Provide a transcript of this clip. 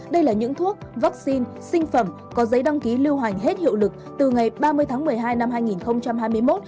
đây là những thuốc vaccine sinh phẩm có giấy đăng ký lưu hành hết hiệu lực từ ngày ba mươi tháng một mươi hai năm hai nghìn hai mươi một